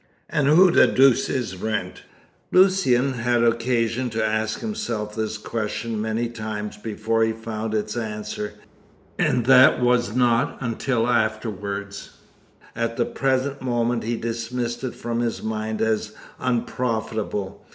And who the deuce is Wrent?" Lucian had occasion to ask himself this question many times before he found its answer, and that was not until afterwards. At the present moment he dismissed it from his mind as unprofitable.